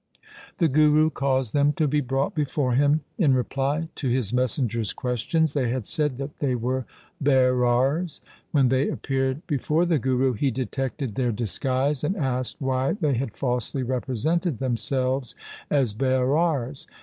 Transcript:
The Guru caused them to be brought before him. In reply to his messenger's questions they had said that they were Bairars. When they appeared before the Guru, he detected their disguise and asked why they had falsely represented themselves as Bairars.